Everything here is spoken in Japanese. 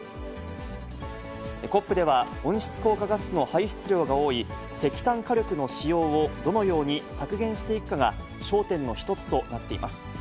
ＣＯＰでは、温室効果ガスの排出量が多い石炭火力の使用をどのように削減していくかが、焦点の一つとなっています。